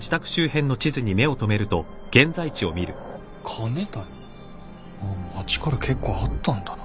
「庚申谷」あっ町から結構あったんだな。